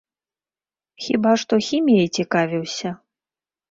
Хіба што хіміяй цікавіўся.